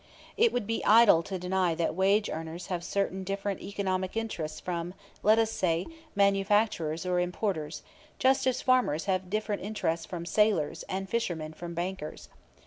It would be idle to deny that wage earners have certain different economic interests from, let us say, manufacturers or importers, just as farmers have different interests from sailors, and fishermen from bankers.